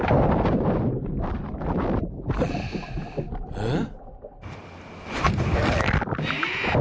えっ？